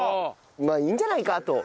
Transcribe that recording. まあいいんじゃないかと。